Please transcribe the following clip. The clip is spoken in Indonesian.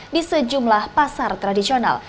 di sejumlah pasar tradisional